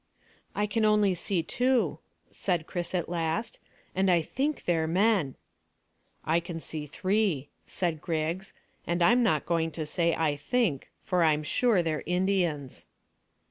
"I can only see two," said Chris at last, "and I think they're men." "I can see three," said Griggs, "and I'm not going to say I think, for I'm sure they're Indians."